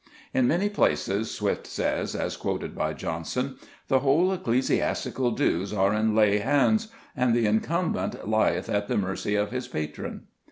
"In many places," Swift says, as quoted by Johnson, "the whole ecclesiastical dues are in lay hands, and the incumbent lieth at the mercy of his patron."